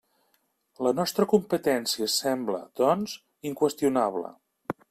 La nostra competència sembla, doncs, inqüestionable.